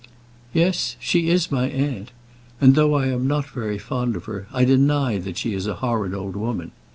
"Yes; she is my aunt; and though I am not very fond of her, I deny that she is a horrid old woman.